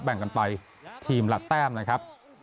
แบ่งกันไปทีมละแต้มนะครับ